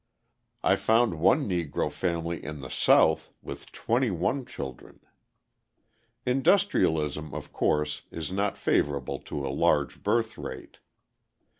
I found one Negro family in the South with twenty one children! Industrialism, of course, is not favourable to a large birth rate.